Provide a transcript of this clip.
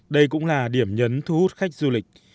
đây cũng là điểm nhấn thu hút khách du lịch